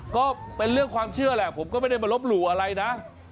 ก็เป็นเรื่องความเชื่อแหละผมก็ไม่ได้มาลบหลู่อะไรนะ